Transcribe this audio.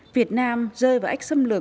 việt nam rơi vào ách xâm lược